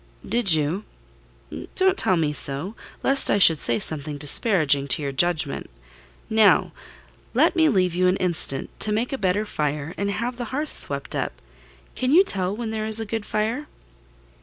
"Did you? Don't tell me so—lest I should say something disparaging to your judgment. Now, let me leave you an instant, to make a better fire, and have the hearth swept up. Can you tell when there is a good fire?"